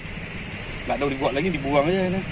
tidak tahu dibuang lagi dibuang saja